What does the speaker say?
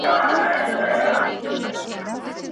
له پیر بابا او له زیارت سره حساب سپینوم `